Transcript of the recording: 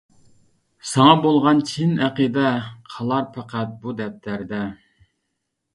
ساڭا بولغان چىن ئەقىدە، قالار پەقەت بۇ دەپتەردە.